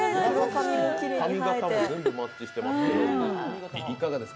髪形も全部マッチしています。